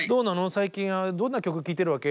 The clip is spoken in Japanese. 最近はどんな曲聴いてるわけ？」